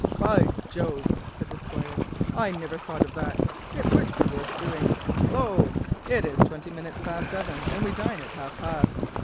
"By Jove," said the Squire, "I never thought of that. It would be worth doing. Hulloa, it is twenty minutes past seven, and we dine at half past.